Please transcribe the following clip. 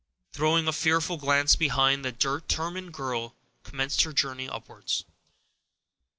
Throwing a fearful glance behind, the determined girl commenced her journey upwards.